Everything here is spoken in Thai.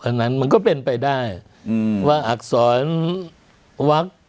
อันนั้นมันก็เป็นไปได้อืมว่าอักษรวัก